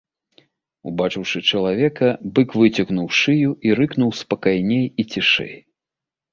Убачыўшы чалавека, бык выцягнуў шыю і рыкнуў спакайней і цішэй.